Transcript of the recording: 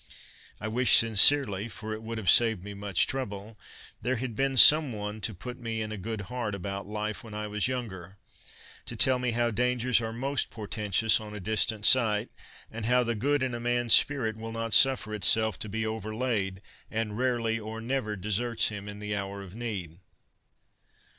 I wish sincerely, for it would have saved me much trouble, there had been some one to put me in a good heart about life when I was younger ; to tell me how dangers are most por tentous on a distant sight ; and how the good in a man's spirit will not suffer itself to be overlaid, and rarely or never deserts him in the hour of need.'